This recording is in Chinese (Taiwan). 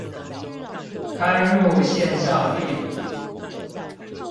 嵌入線上地圖